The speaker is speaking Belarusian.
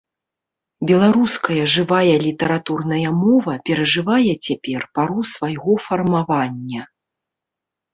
Беларуская жывая літаратурная мова перажывае цяпер пару свайго фармавання.